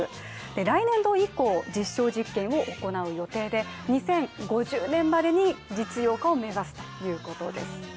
来年度以降、実証実験を行う予定で、２０５０年までに実用化を目指すということです。